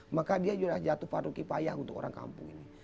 maka dia sudah jatuh paduki payah untuk orang kampung ini